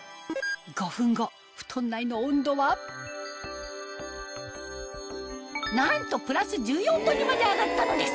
５分後布団内の温度はなんとプラス１４度にまで上がったのです